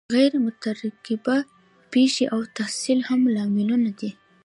غیر مترقبه پیښې او تحصیل هم لاملونه دي.